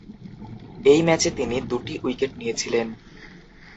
এই ম্যাচে তিনি দুটি উইকেট নিয়েছিলেন।